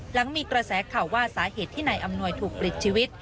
หลังมีกระแสข่าวว่าสาเหตุที่นายอำนวยถูกปลิดชีวิต